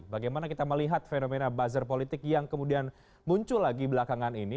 bagaimana kita melihat fenomena buzzer politik yang kemudian muncul lagi belakangan ini